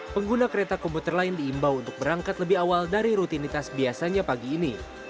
pengguna kereta komuter lain diimbau untuk berangkat lebih awal dari rutinitas biasanya pagi ini